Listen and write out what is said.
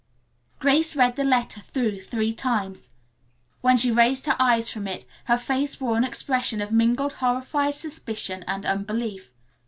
Grace read the letter through three times. When she raised her eyes from it her face wore an expression of mingled horrified suspicion and unbelief.